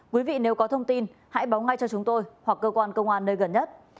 quý vị nếu có thông tin hãy báo ngay cho chúng tôi hoặc cơ quan công an nơi gần nhất